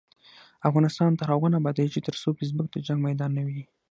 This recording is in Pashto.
افغانستان تر هغو نه ابادیږي، ترڅو فیسبوک د جنګ میدان نه وي.